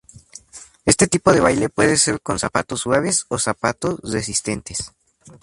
Este tipo de baile puede ser con "zapatos suaves" o "zapatos resistentes".